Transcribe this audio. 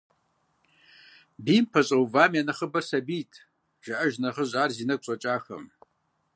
Бийм пэщӏэувам я нэхъыбэр сабийт, – жаӏэж нэхъыжь ар зи нэгу щӏэкӏахэм.